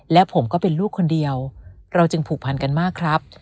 และผมก็เป็นลูกคนเดียวเราจึงผูกพันกันมากครับ